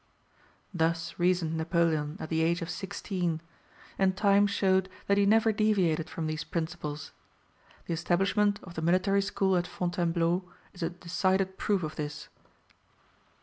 Thus reasoned Napoleon at the age of sixteen, and time showed that he never deviated from these principles. The establishment of the military school at Fontainebleau is a decided proof of this.